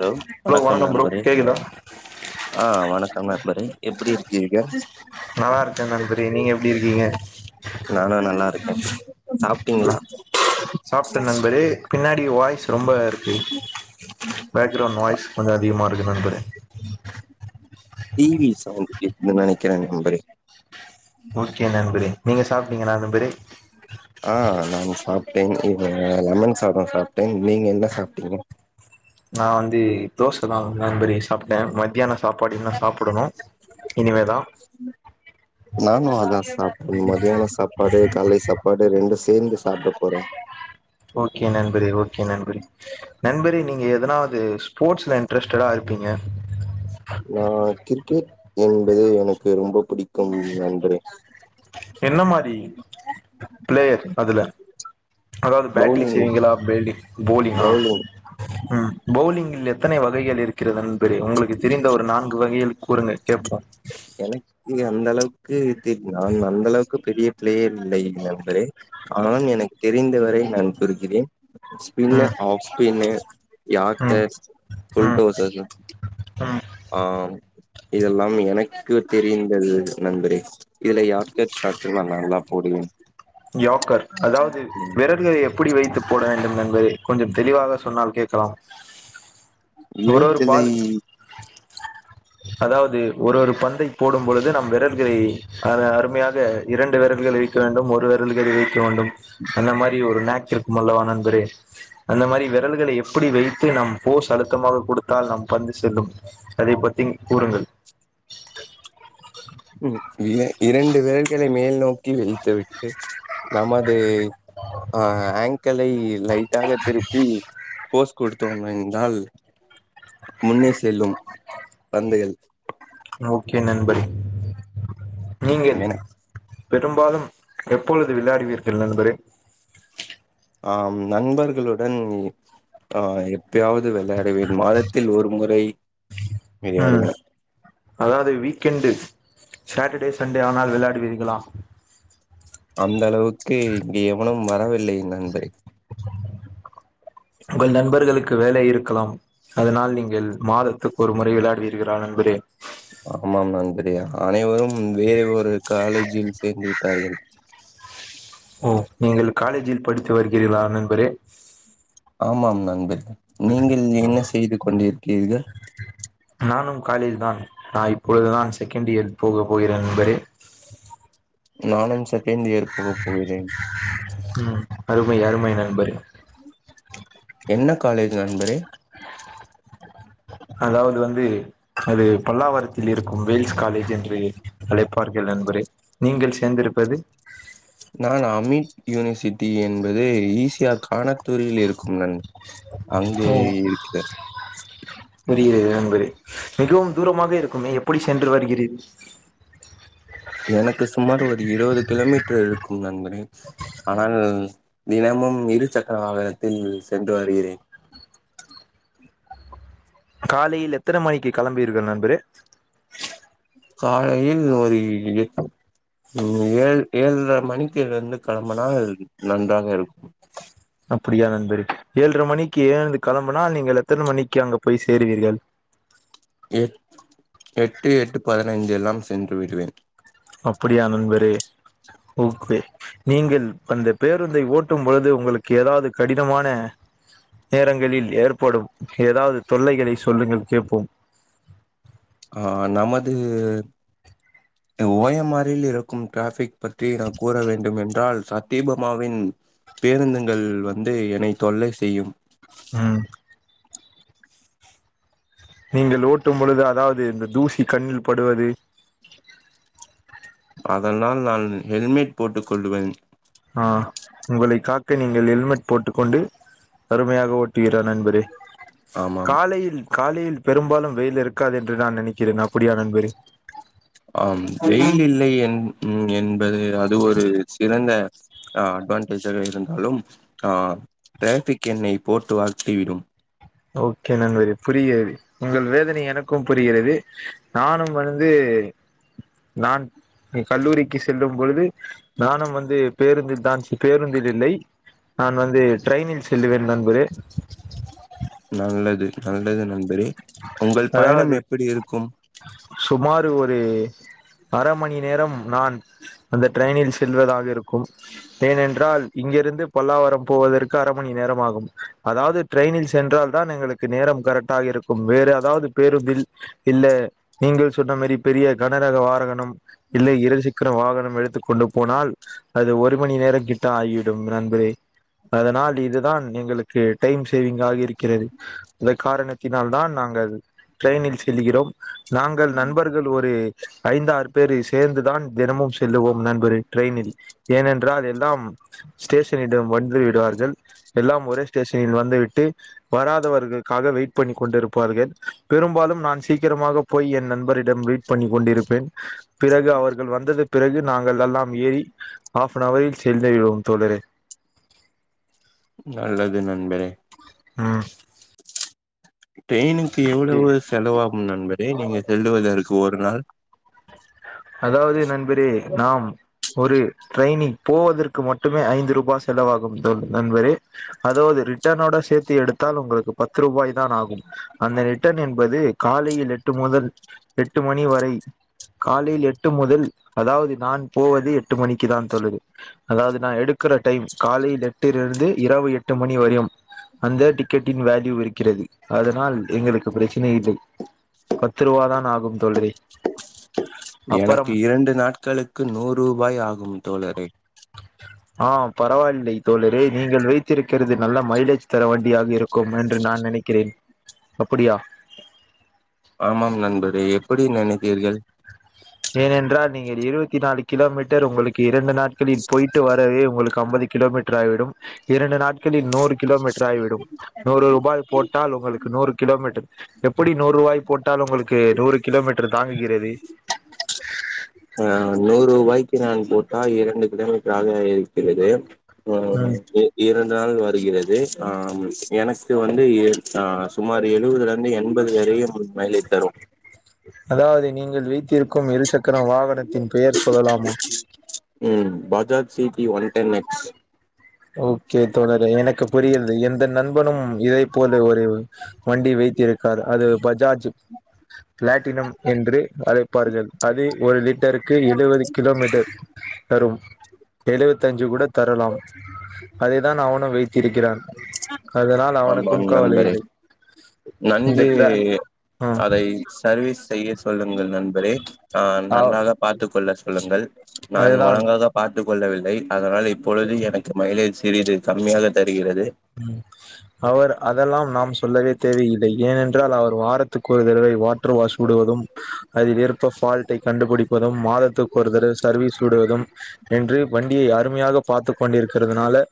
hello வணக்கம் நண்பரே ஆ வணக்கம் நண்பரே எப்படி இருக்கிறிர்கள் நல்லா இருக்கே நண்பரே நீங்க எப்டி இருக்கீங்க நானா நல்லா இருக்க சாப்ட்டிங்ளா சாப்ட்ட நண்பரே பின்னாடி வாய்ஸ் ரொம்ப இருக்கு பேக்ரவுண்ட் நாய்ஸ் கொஞ்ச அதிகமா இருக்கு நண்பரே டி வி சவுண்ட் கேக்குதுன் நெனைக்கிற நண்பரே ஓகே நண்பரே நீங்க சாப்ட்டிங்களா நண்பரே ஆ நாங்க சாப் டேன் இங்க லெமன் சாப்பாடு சாப்ட்டேன் நீங்க என்ன சாப்ட்டிங்க நா வந்து தோசதா நண்பரேஸ் சாப்ட்ட மத்யான சாப்பாடு இன்னொ சாப்பிடணு இனிமே தா நானு அத மதியான சாப்பாடு காலைல சாப்பாடு ரெண்டு சேந்து சாப்ட போறே ஓகே நண்பரே ஓகே நண்பரே நண்பரே நீங்க எதனாவுது ஸ்போர்ட்ஸ்ல இன்ட்ரஸ்டடா இரு பிங்க நா கிரிக்கெட் என்பது எனக்கு ரொம்ப புடி என்ன மாரி பிளேயர் அதுல அதாவது பேட்டிங் பவுலிங் செய்வீங்களா பேல்டிங் போலிங்கா பவுலிங் பவுலிங் ல் எத்தனை வகைகள் இருக்கிறதுன் தெரியு உங்களுக்கு தெரிந்த ஒரு நான்கு வகைகள் கூறுங்க கேட்போம் எனக்கு அந்த அளவுக்கு தெரிய நான் அந்த அளவுக்கு பெரிய பிளேயர் இல்லை நண்பரே ஆனாலும் எனக் தெரிந்தவரை நான் கூறுகிறேன் ஸ்பின்ர் ம் ஆஃப் ஸ்பின்னர் ம் யாக்கர்ஸ் ம் உல்ட்டோசஸ் ம் ஆஹ் இதெல்லாம் எனக்கு தெரிந்தது நண்பரே இதுல யார்க்க சாட்ஸ் நான்தா போடுவே உம் யாக்கர் அதாவது விறல்களை எப்படி வைத்து போன டும் நண்பரே கொஞ்சம் தெளிவாக சொன்னால் கேட்கலாம் ஒரு விரட் ஒரு ஜல்லை பால் அதாவது ஒரு ஒரு பந்தை போடும்பொழுது நம் விரல்களை அருமையாக இரண்டு விரல்களை இருக்க வேண்டும் ஒருவர் விரல்களை வைக்க வேண்டும் அந்த மாரி ஒரு நக் இருக்கும் அல்லவா நண்பரே அந்த மாரி விரல்களை எப்படி படி வைத்து நம் போஸ் அழுத்தமாக கொடுத்தால் நம் பந்து செல்லும் அதை பத்தி கூறுங்கள் ம் இர இரண்டு விரல்களை மேல் நோக் க்கி வெழுத்து விட்டு நமது ஆ அங்களை லைட்டாக திருப்பி போஸ் கொடுத்தோம் என்றால் முன்னே செல்லும் பந்துகள் ஓகே நன்பரே நீங்கள் எனக் பெரும்பாலும் எப்பொழுது விளையாடுவீர்கள் நண்பரே ஆம் நண்பர்களுடன் ஆ எப்பயாவது விளையாடுவேன் மாதத்தில் ஒரு முறை உம் விளையாடுவேன் அதாவது வீக்கெண்டு சாட்டர்டே சண்டே ஆனால் விழையாடுவிர்களா அந்தளவுக்கு இங்கே எவனும் வரவில்லை நண்பரே உங்கள் நண்பர்களுக்கு வேலை இருக்கலாம் அதனால் நீங்கள் மாதத்துக்கு ஒரு முறை விளையாடுவீர்களா நண்பரே ஆமாம் நண்பரே அனைவரும் வேற ஒரு காலேஜில் சேர்ந்து விட் டார்கள் ஓ நீங்கள் காலேஜில் படித்து வருகிறீர்களா நண்பரே ஆமாம் நண்பர் நீங்கள் என்ன செய்து கொண்டிருக்கிறீர்கள் நானும் காலேஜ் தான் நான் இப்பொழுதுதான் செகண்ட் இயர் போக போகிறேன் நண்பரே நானும் செகண்ட் இயர் போக போகிறேன் ம் அருமை அருமை நண்பரே என்ன காலேஜ் நண்பரே அதாவது வந்து அது பல்லாவரத்தில் இருக்கும் வேல்ஸ் காலேஜ் என்று அழைப்பு பார்கள் நண்பரே நீங்கள் சேர்ந்திருப்பது நான் அமித் யூனிவர்சிட்டி என்பது ஈசியா கானத்தூரில் இருக்கும் நண் அங்கே ஓ இருக்கிறது பரே மிகவும் தூரமாக இருக்குமே எப்படி சென்று வருகீறீர் எனக்கு சுமார் ஒரு இருவது கிலோமீட்டர் இருக்கும் நண்பரே ஆனால் தினமும் இரு சக்கர வாகனத்தில் சென்று வருகிறேன் உம் காலையில் எத்தன மணிக்கு கிளம்பீர்கள் நண்பரே காலையில் ஒரு இட் ம் ஏழ் ஏழட்ர மணிக்கு இருந்து கெளம்புனால் நன்றாக இருக்கு அப்படியா நண்பரே ஏழ்ட்ர மணிக்கு ஏழ்ந்து கெளம்புனால் நீங்கள் எத்தன மணிக்கு அங்க போய் சேருவீர்கள் அ எட் எட்டு எட்டு பதினைந்து எல்லாம் சென்று விடுவேன் அப்படியா நண்பரே ஓகே நீங்கள் அந்த பேருந்தை ஓட்டும் பொழுது உங்களுக்கு ஏதாவது கடினமான நேரங்களில் ஏற்படும் ஏதாவது தொல்லைகளை சொல்லுங்கள் கேப்போம் ஆ நமது ஓயம்மாரில் இருக்கும் டிராஃபிக் பற்றி நாம் கூற வேண்டும் என்றால் சத்தியபமாவின் பேருந்துகள் வந்து என்னை தொல்லை செய்யும் ம் நீங்கள் ஓட்டும் பொழுது அதாவது இந்த தூசி கண்ணில் படுவது அதனால் நான் ஹெல்மெட் போட்டுக் கொள்ளுவேன் ஆ உங்களை காக்க நீங்கள் ஹெல்மெட் போட்டுக்கொண்டு அருமையாக ஓட்டுவீரா நண்பரே ஆமாம் காலையில் காலையில் பெரும்பாலும் வெயில் இருக்காது என்று நான் நினைக்கிறேன் அப்படியா நண்பரே ஆம் வெயில் இல்லை என் உம் என்பது அது ஒரு சிறந்த அ அட்வான்டேஜாக இருந்தாலும் ஆ டிராபிக் என்னை போட்டு வறுத்து விடும் ஓகே நண்பரே புரிகிறது உங்கள் வேதனை எனக்கும் புரிகிறது நானும் வந்து சேரி நான் எ கல்லூரிக்கு செல்லும் பொழுது நானும் வந்து பேருந்தில் தான் ச்சி பேருந்தில் இல்லை நான் வந்து ட்ரெய்னில் செல்லுவேன் நண்பரே நல்லது நல்லது நன் அதாவது இருக்கும் சுமார் ஒரு அர மணி நேரம் நான் அந்த ட்ரெயினில் செல்வதாக இருக்கும் ஏனென்றால் இங்கிரு ருந்து பல்லாவரம் போவதற்கு அர மணி நேரம் ஆகும் அதாவது ட்ரெயினில் சென்றால் தான் எங்களுக்கு நேரம் கரெக்டாக இருக்கு வேற அதாவது பேருந்தில் இல்ல நீங்கள் சொன்ன மாரி பெரிய கனரக வாகனம் இல்லை இரு சக்கர வாகனம் எடுத்துக் கொண்டு போனால் அது ஒரு மணி நேர கிட்ட ஆயிடும் நண்பரே அதனால் இதுதான் எங்களுக்கு டைம் சேவிங் ஆக இருக்கிறது அந்த காரணத் தினால் தான் நாங்கள் ட்ரெனில் செல்லுகிறோம் நாங்கள் நண்பர்கள் ஒரு ஐந்தாறு பேரு சேர்ந்துதான் தினமும் செல்லுவோம் நண்பரே ட்ரெயினில் ஏனென்றால் எல்லாம் ஸ்டேஷனிடம் வந்து விடுவார்கள் எல்லாம் ஒரே ஸ்டேஷனில் வந்துவிட்டு வராதவர்களுக்காக வெயிட் பண்ணிக் கொண்டிருப்பார்கள் பெரும்பாலும் நான் சீக்கிரமாக போய் என் நண்பரிடம் வெய்ட் பண்ணிக் கொண்டிருப்பேன் பிறகு அவர்கள் வந்தது பிறகு நாங்கள் எல்லாம் ஏறி ஆஃப்பனவரில் சென்று விடுவோம் தோழரே நல்லது நண்பரே ம் ட்ரெயினுக்கு எவ்வளவு செலவாகும் நண்பரே நீங்க செல்லுவதற்க்கு ஒரு நாள் அதாவது நண்பரே நாம் ஒரு ட்ரெயினில் போவதற்கு மட்டுமே ஐந்து ரூபா செலவாகும் தோ நண்பரே அதாவது ரிட்டர்னோட சேத்து எடுத்தால் உங்களுக்கு பத்து ரூபாய் தான் ஆகும் அந்த ரிட்டர்ன் என்பது காலையில் எட் டு முதல் எட்டு மணி வரை காலையில் எட்டு முதல் அதாவது நான் போவது எட்டு மணிக்கு தான் தோழரே அதாவது நா எடுக்கிற டைம் காலை எட்டிலிருந்து இரவு எட்டு மணி வரையும் அந்த டிக்கெட்டின் வேல்யூ இருக்கிறது அதனால் எங்களுக்கு பிரச்சனை இல்லை பத்ருவாதான் ஆகும் தோழரே எனக்கு அப்புறம் இரண்டு நாட்களுக்கு நூ ரூபாய் ஆகும் தோழரே ஆ பரவாயில்லை தோழரே நீங்கள் வைத்திருக்கிறது நல்ல மைலேஜ் தர வண்டியாக இருக்கும் என்று நான் நெனைக்கிறேன் அப்படியா ஆமாம் நண்பரே எப்படி நெனைத்தீர்கள் ஏனென்றால் நீங்கள் இருவத்தி நாலு கிலோமீட்டர் உங்களுக்கு இரண்டு நாட்களில் போய்ட்டு வரவே உங்களுக்கு அம்பது கிலோமீட்டர் ஆய்விடும் இரண்டு நாட்களில் நூறு கிலோமீட்டர் ஆய்விடும் நூறு ரூபாய் போட்டால் உங்களு க்கு நூறு கிலோமீட்டர் எப்படி நூறுவாய் போட்டால் உங்களுக்கு நூறு கிலோமீட்டர் தாங்குகிறது ஆ நூறுவாய்க்கு நான் போட்டா இரண்டு கிலோமீட்டராக இருக்கிறது ஆ ம் இ இரண் டு நாள் வருகிறது ஆம் எனக்கு வந்து ஏழ் ஆ சுமார் எழுவதுலருந்து எண்பது வேரு வெளியவு மைலேஜ் தரு அதாவ்து நீங்கள் வைத்திருக்கும் இருசக்கர வாகனத்தின் பெயர் சொல்லலாமா ம் Bajaj C B one ten X okay பனும் இதை போல ஒரு வண்டி வைத்திருக்கார் அது பஜாஜு பிளாட்டினம் என்று அழைப்பார்கள் அது ஒரு லிட் டருக்கு எழுவது கிலோமீட்டர் தரும் எழுவத்தஞ்சு கூட தரலாம் அதைதான் அவனு வைத்திருக்கிறான் அதனால் ஆமாம் அவனுக்கும் கவலை நண்பரே இல்லை இந்த நன்கு ட்ரா நீயு ம் அதை சர்வீஸ் செய்ய சொல்லுங்கள் நண்பரே ஆ அவ் நன்றாக பார்த்து கொள்ள சொல்லுங்கள் நான் அதுதான் ஒழங்காத பார்த் த்துக்கொள்ளவில்லை அதனால் இப்பொழுது எனக்கு மைலேஜ் சிறிது கம்மியாக தருகிறது அவர் அதெல்லாம் நாம் சொல்லவே தேவையில்லை ஏனென்றால் அவர் வாரத்துக்கு ஒருதரவை வாட்ரு வாஷ் விடுவ தும் அதில் இருக்க ஃபால்ட்டைக் கண்டுபுடிப்பதும் மாதத்துக்கொரு தரவ சர்வீஸ் விடுவதும் என் று வண்டியை அருமையாக பார்த்துக் கொண்டிருக்குறதுனால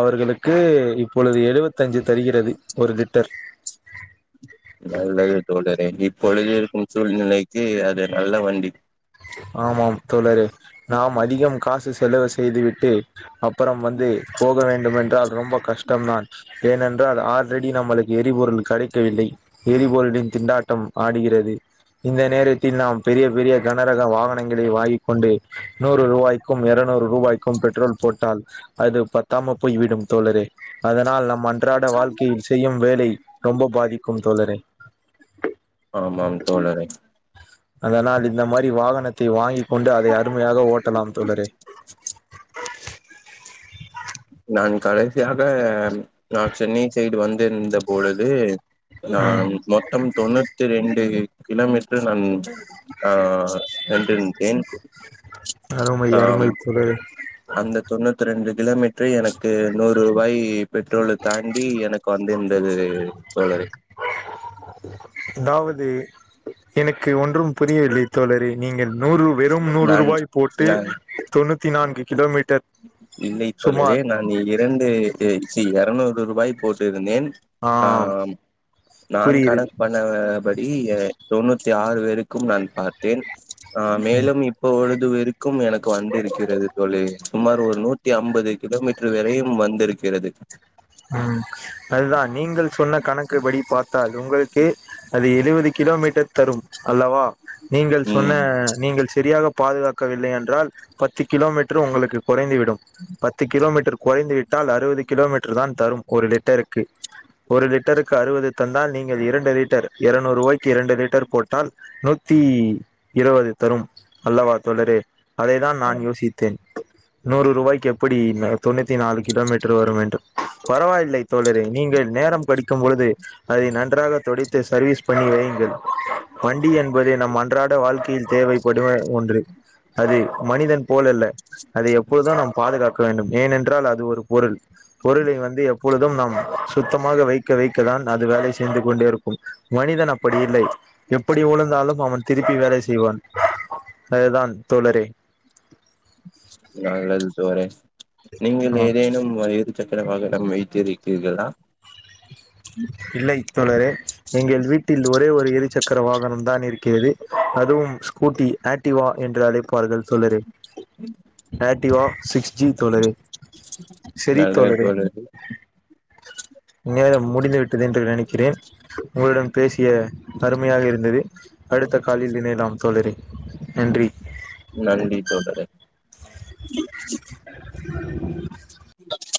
அவர்களுக்கு இப் பொழுது எழுவத்தஞ்சு தருகிறது ஒரு லிட்டர் நல்லது தோழரே இப்பொழுது இருக்கும் சூழ்நிலைக்கு அது நல்ல வண்டி ஆமாம் தோழரே நாம் அதிகம் காசு செலவு செய்து விட்டு அப்பறம் வந்து போக வேண்டும் என்றால் ரொம்ப கஷ்டம்தான் ஏனென்றால் ஆல்ரெடி நம்மளுக்கு எரிபொருள் கடைக்கவில்லை எரிபொருளின் திண்டாட்டம் ஆடுகிறது இந்த நேரத்தில் நாம் பெரிய பெரிய கனரக வாகனங்களை வாங்கிக்கொண்டு நூறு ரூவாய்க்கும் எரநூறு ரூபாய்க்கும் பெட்ரோல் போட்டால் அது பத்தாம போய் விடும் தோழரே அதனால் நம்ம அன் றாட வாழ்க்கையில் செய்யும் வேலை ரொம்ப பாதிக்கும் தோழரே ஆமாங் தோழரே அதனால் இந்த மாரி வாகனத்தை வாங்கி கொண்டு அதை அருமையாக ஓட்டலாம் தோழரே நான் கடைசியாக நான் சென்னை சைடு வந்திருந்த பொழுது நான் மொத்தம் தொண்ணூத்தி ரெண்டு கிலோமீட்டர் நான் ஆ ஸ்டெண்டின் அருமை அருமை ஆம் தோழரே அந்த தொண்ணூத்து ரெண்டு கிலோமீட்ரே எனக்கு நூறுவாய் பெட்ரோல தாண்டி எனக்கு வந்து இருந்தது அதாவது எனக்கு ஒன்றும் புரியவில்லை தோழரே நீங்கள் நூறு வெறும் நூறு நான் ரூவாய் போட்டு நான் தொண்ணூத்தி நான்கு கிலோமீட்டர் இல்லை தோழரே சுமார் நான் இரண்டு எ சீ எரநூறு ரூபாய் போட்டிருந்தேன் ஆ ஆம் நான் புரிகிறது கணக்கு பண்ண படி இங்க தொண்ணூத்தி ஆறு வேருக்கும் நான் பார்த்தேன் ஆ ம் மேலும் இப்ப ஒழுது விருக்கும் எனக்கு வந்திருக்கிறது தோழி சுமார் ஒரு நூத்தி அம்பது கிலோமீட்டர் வரையும் வந்திருக்கிறது ம் அதுதான் நீங்கள் சொன்ன கணக்கு படி பார்த்தால் உங்களுக்கு அது எழுவது கிலோமீட் டர் தரும் அல்லவா நீங்கள் சொன்ன ம் நீங்கள் செரியாகப் பாதுகாக்கவில்லை என்றால் பத்து கிலோமீட்ரு உங்களுக்கு கொறைந்துவிடும் பத்து கிலோமீட்டர் கொறைந்துவிட்டா அறுபது கிலோ மீட்டர் தான் தரும் ஒரு லிட்டருக்கு ஒரு லிட்டருக்கு அறுபது தந்தால் நீங்கள் இரண்டு லிட்டர் இருரநூறு ரூபாய்க்கு இரண்டு லிட்டர் போட்டால் நூத் தி இருபது தரும் அல்லவா தோழரே அதைதான் நான் யோசித்தேன் நூறு ரூபாய்க்கு எப்படி தொண்ணூத்தி நாலு கிலோமீட்டர் வரும் எண்டு பரவாயில்லை தோழரே நீங்கள் நேரம் படிக்கும்போழுது அதை நன்றாகத் துடைத்து சர்வீஸ் பண்ணி செய்ங்க வண்டி என்பதை நம் அன் ராட வாழ்க்கையில் தேவைப்படுவ ஒன்று அது மனிதன் போலல்ல அதை எப்போதும் நாம் பாதுகாக்க வேண்டும் ஏனென்றால் அது ஒரு பொருள் பொருளை வந்து எப்பொழுதும் நாம் சுத்தமாக வைக்க வைக்கதான் அது வேலை செய்து கொண்டே இருக்கும் மனித தன் அப்படி இல்லை எப்படி உழுந்தாலும் அவன் திருப்பி வேலை செய்வான் அதுதான் தோழரே நல்லது தோழரே நீங்கள் ஆ ஏதேனும் வ சக்கர வாகனம் வைத்திருக்கிறீர்களா இல்லை தோழரே எங்கள் வீட்டில் ஒரே ஒரு இருசக்கர வாகனம் தான் இருக்கிறது அதுவும் ஸ்கூட்டி ஆக்டிவா என்று அழைப்பார்கள் தோழரே ஆக்டிவா சிக்ஸ் ஜி தோழரே சரி தோழரே நேரம் முடிந்து விட் என்று நினைக்கிறேன் உங்களுடன் பேசிய அருமையாக இருந்தது அடுத்த காலில் இணையலாம் தோழரே நன்றி நன்றி தோழரே [inaudible]